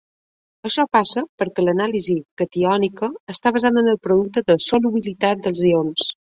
Això passa perquè l’anàlisi catiònica està basada en el producte de solubilitat dels ions.